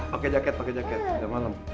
pakai jaket pakai jaket setiap malam